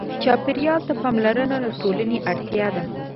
چاپېریال ته پاملرنه د ټولنې اړتیا ده.